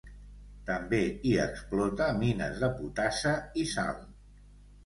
També hi explota mines de potassa i sal.